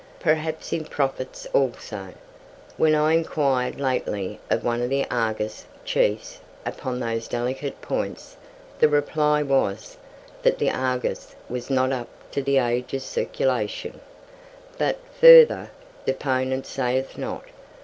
Perhaps in profits also. When I inquired lately of one of "The Argus" chiefs upon those delicate points, the reply was, that "The Argus" was not up to "The Age's" circulation, "but, further, deponent sayeth not."